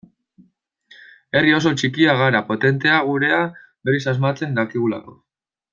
Herri oso txikia gara, potentea gurea berriz asmatzen dakigulako.